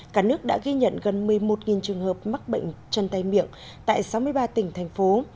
cả nước đã ghi nhận gần một mươi một trường hợp mắc bệnh chân tay miệng tại sáu mươi ba tỉnh thành phố